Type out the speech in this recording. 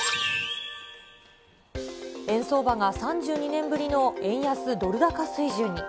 円相場が３２年ぶりの円安ドル高水準に。